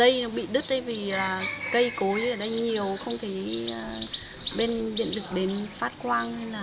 khi mùa mưa này thì dây bị đứt vì cây cối ở đây nhiều không thể bên điện được đến phát quang